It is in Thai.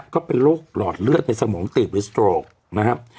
ก็เป็นโรคหลอดเลือดในสมองตีบหรือสโตรกนะครับ